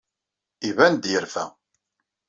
Iban-d yerfa.